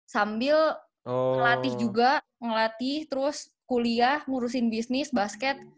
sambil ngelatih juga ngelatih terus kuliah ngurusin bisnis basket